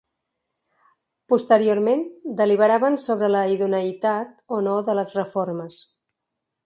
Posteriorment, deliberaven sobre la idoneïtat o no de les reformes.